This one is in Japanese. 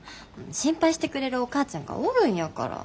心配してくれるお母ちゃんがおるんやから。